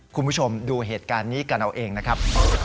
คุณผู้ชมดูเหตุการณ์นี้กันเอาเองนะครับ